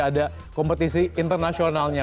ada kompetisi internasionalnya